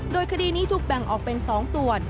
โดยคดีนี้ถูกแบ่งออกเป็น๒ส่วน